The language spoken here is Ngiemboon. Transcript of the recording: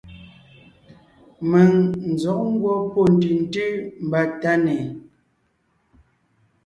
Mèŋ n zɔ̌g ngwɔ́ pɔ́ ntʉ̀ntʉ́ mbà Tánè,